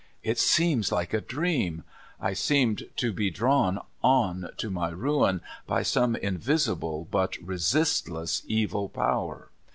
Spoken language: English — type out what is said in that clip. It was like a dream — I seemed to be drawn on to my ruin by some invisi ble but resistless evil power.